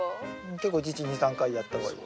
結構一日２３回やった方がいい。